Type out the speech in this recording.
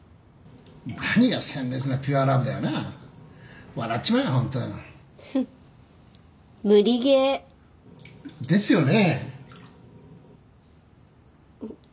何が鮮烈なピュアラブだよな笑っちまうよ本当ふふっ無理ゲーですよね